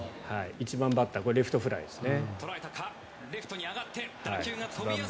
１番バッターこれはレフトフライですね。